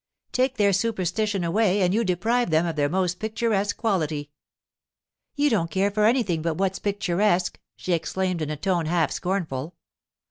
'Take their superstition away and you deprive them of their most picturesque quality.' 'You don't care for anything but what's picturesque!' she exclaimed in a tone half scornful.